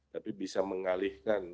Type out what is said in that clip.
tapi bisa mengalihkan